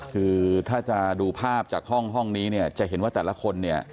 คือถ้าจะดูภาพจากห้องนี้จะเห็นว่าแต่ละคน